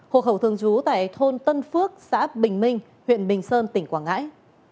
hộ khẩu thường trú tại thôn tân phước xã bình minh huyện bình sơn tỉnh quảng ngãi